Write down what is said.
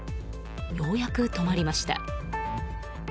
ようやく止まりました。